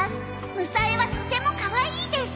「むさえはとてもかわいいです」